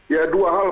ya dua hal